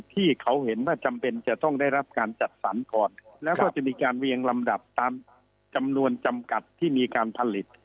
ที่เขาเห็นว่าจำเป็นจะต้องได้รับการจัดสรรก่อนแล้วก็จะมีการเวียงลำดับตามจำนวนจำกัดที่มีการผลิต